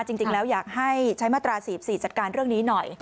จริงแล้วอยากให้ใช้มาตรา๔๔จัดการเรื่องนี้หน่อย